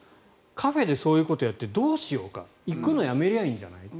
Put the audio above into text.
カフェでそういうことをやってどうしようか行くのやめりゃいいんじゃない。